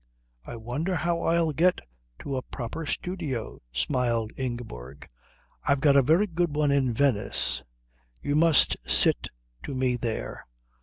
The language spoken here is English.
"I wonder how I'll get to a proper studio?" smiled Ingeborg. "I've got a very good one in Venice. You must sit to me there."